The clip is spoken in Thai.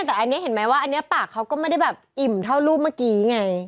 แต่อันนี้เห็นไหมว่าอันนี้ปากเขาก็ไม่ได้แบบอิ่มเท่ารูปเมื่อกี้ไง